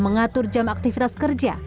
mengatur jam aktivitas kerja